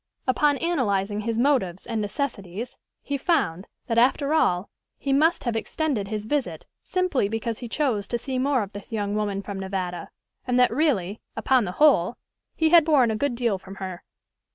Upon analyzing his motives and necessities, he found, that, after all, he must have extended his visit simply because he chose to see more of this young woman from Nevada, and that really, upon the whole, he had borne a good deal from her.